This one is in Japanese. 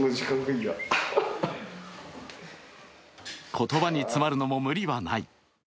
言葉に詰まるのも無理はない。